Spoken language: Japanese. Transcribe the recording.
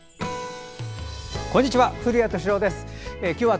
こんにちは。